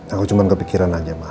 aku cuma kepikiran aja mah